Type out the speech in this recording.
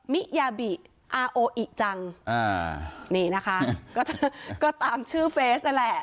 มิยาบิอาโออิจังนี่นะคะก็ตามชื่อเฟซนั่นแหละ